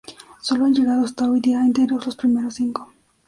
Solo han llegado hasta hoy día enteros los primeros cinco.